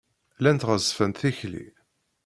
Llant ɣeṣṣbent tikli.